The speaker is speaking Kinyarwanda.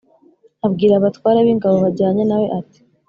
abwira abatware b’ingabo bajyanye na we ati